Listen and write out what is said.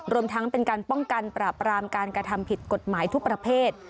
รวมทั้งเป็นการป้องกันปราบรามการกระทำผิดกฎหมายทุกประเภท